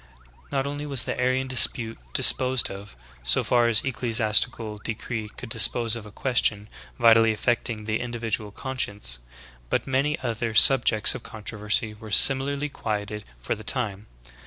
Not only was the Arian dispute disposed of, so far as ecclesiastical decree could dispose of a ques tion vitally affecting the individual conscience, but many other subjects of controversy were similarly quieted for the time.